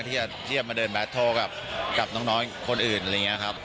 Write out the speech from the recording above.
ที่จะมาเดินแบทโทรกับน้องคนอื่นอะไรอย่างนี้ครับ